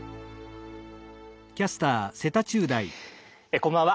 こんばんは。